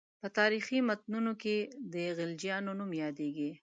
په تاریخي متونو کې د خلجیانو نوم یادېږي.